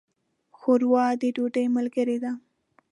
ښوروا د ډوډۍ ملګرې ده.